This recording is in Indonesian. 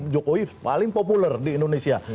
jokowi paling populer di indonesia